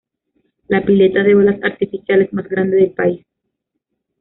La pileta de olas artificiales más grande del país.